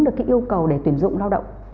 được cái yêu cầu để tuyển dụng lao động